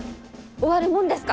終わるもんですか！